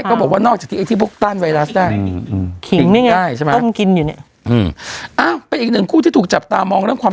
ก็บอกว่านอกจากไฟละธาลายโจดและให้กินอะไรอย่างภูคาว